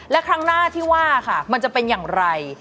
และครั้งหน้าที่ว่าค่ะมันจะเป็นอย่างไร